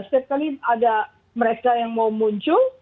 setiap kali ada mereka yang mau muncul